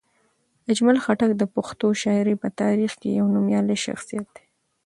اجمل خټک د پښتو شاعرۍ په تاریخ کې یو نومیالی شخصیت دی.